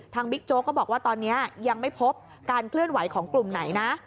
บิ๊กโจ๊กก็บอกว่าตอนนี้ยังไม่พบการเคลื่อนไหวของกลุ่มไหนนะ